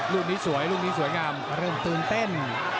รุ่นนี้สวยรุ่นนี้สวยงามเริ่มตื่นเต้น